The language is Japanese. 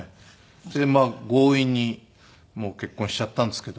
それでまあ強引に結婚しちゃったんですけど。